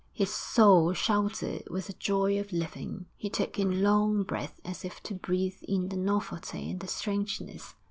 His soul shouted with the joy of living. He took in long breaths as if to breathe in the novelty and the strangeness.